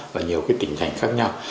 và nhiều cái tình hành khác nhau